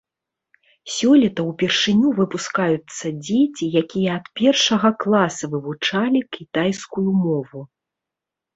Сёлета ўпершыню выпускаюцца дзеці, якія ад першага класа вывучалі кітайскую мову.